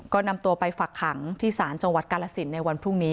ก็นำตัวไปฝักขังที่ศาลจังหวัดกาลสินในวันพรุ่งนี้